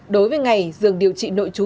đối với ngày dường điều trị nội trú